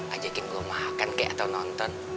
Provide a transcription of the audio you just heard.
ajakin gua makan kek atau nonton